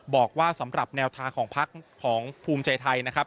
บอกว่าสำหรับแนวทางของพักของภูมิใจไทยนะครับ